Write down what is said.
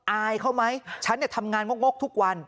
อ้ายเขาไหมฉันเนี่ยทำงานโง่งกทุกวัน